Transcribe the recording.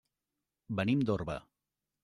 Venim d'Orba.